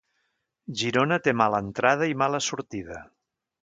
Girona té mala entrada i mala sortida.